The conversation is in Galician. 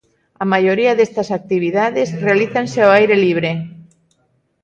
A maioría desta actividades realízanse ao aire libre.